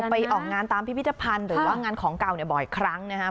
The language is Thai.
ไปออกงานตามพิพิธภัณฑ์หรือว่างานของเก่าเนี่ยบ่อยครั้งนะครับ